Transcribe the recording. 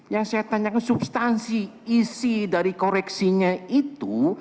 yang saya tanyakan substansi isi dari koreksinya itu